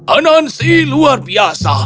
anansi luar biasa